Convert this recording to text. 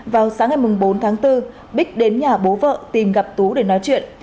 vào sáng ngày bốn tháng bốn bích đến nhà bố vợ tìm gặp tú để nói chuyện